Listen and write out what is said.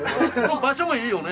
場所もいいよね。